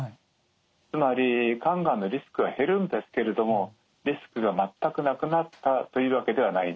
つまり肝がんのリスクは減るんですけれどもリスクが全くなくなったというわけではないんですね。